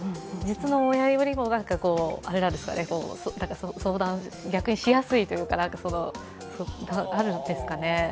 実の親よりも逆に相談しやすいというかあるんですかね。